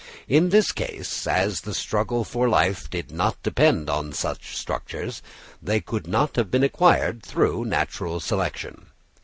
In this case, as the struggle for life did not depend on such structures, they could not have been acquired through natural selection.